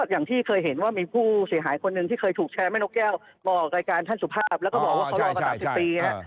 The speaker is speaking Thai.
อย่างที่เคยเห็นว่ามีผู้เสียหายคนหนึ่งที่เคยถูกแชร์แม่นกแก้วมาออกรายการท่านสุภาพแล้วก็บอกว่าเขารอมา๓๐ปี